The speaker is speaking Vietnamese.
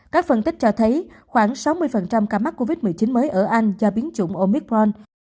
các phân tích cho thấy khoảng sáu mươi ca mắc covid một mươi chín mới ở anh do biến chủng omicron